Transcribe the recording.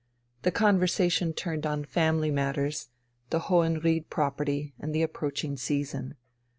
The conversation turned on family matters, the "Hohenried" property, and the approaching season.